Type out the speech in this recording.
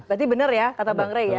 berarti benar ya kata bang rey ya